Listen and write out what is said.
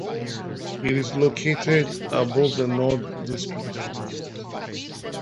It is located above the "Nord" district.